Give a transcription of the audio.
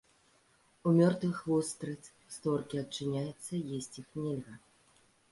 У мёртвых вустрыц створкі адчыняюцца, есці іх нельга.